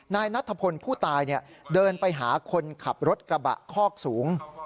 นายนัทธพลผู้ตายเดินไปหาคนขับรถกระบะคอกสูง